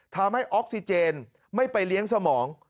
ทำให้ออกซิเจนไม่ไปเลี้ยงสมอง